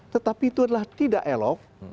tetapi itu adalah tidak elok